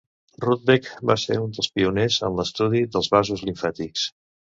Rudbeck va ser un dels pioners en l'estudi dels vasos limfàtics.